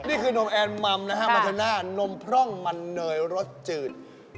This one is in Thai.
นี่คือนมแอนมัมนะฮะมาทาน่านมพร่องมันเนยรสจืด